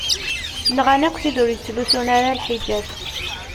Nɣan akk tid ur yettlusun ara lḥijab.